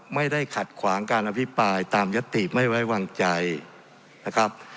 ไม่ได้ขัดขวางการอภิปรายตามยติไม่ไว้วางใจนะครับ